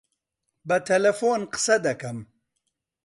بە تەلەفۆن قسە دەکەم.